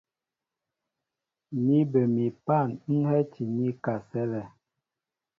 Ni bə mi pân ń hɛ́ti ní kasɛ́lɛ.